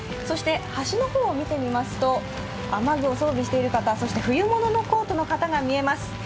そして橋の方を見てみますと、雨具を装備している方、そして冬物のコートの方が見えます。